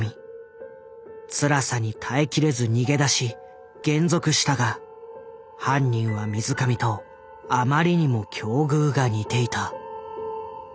つらさに耐えきれず逃げ出し還俗したが犯人は水上とあまりにも境遇が似ていた。